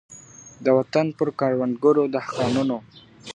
د وطن پر کروندگرو دهقانانو .